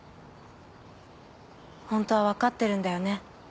ホントは分かってるんだよね？